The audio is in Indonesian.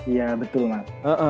iya betul mas